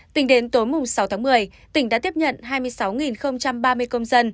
tỉnh đến tối sáu một mươi tỉnh đã tiếp nhận hai mươi sáu ba mươi công dân